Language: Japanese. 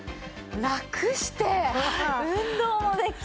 ラクして運動もできて。